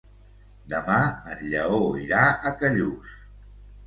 Demà en Lleó irà a Callús.